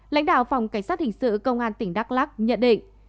lãnh đạo phòng cảnh sát hình sự công an tỉnh đắk lắc nhận định